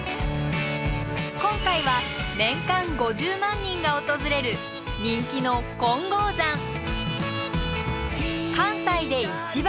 今回は年間５０万人が訪れる人気の関西で一番！